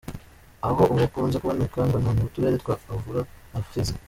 Aho uwo ukunze kuboneka ngo ni mu turere twa Uvira na Fizi.